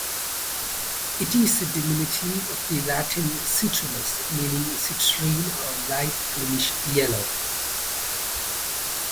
It is a diminutive of the Latin "citrinus" meaning citrine or light greenish-yellow.